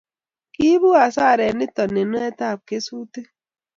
kiibu hasaret nito nunetab kesutik